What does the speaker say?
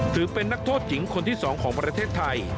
ถือเป็นนักโทษหญิงคนที่๒ของประเทศไทย